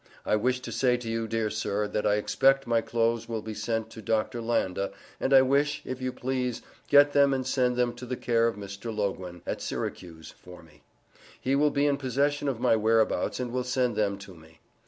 I wish to say to you, dear sir, that I expect my clothes will be sent to Dr. Landa, and I wish, if you please, get them and send them to the care of Mr. Loguen, at Syracuse, for me He will be in possession of my whereabouts and will send them to me.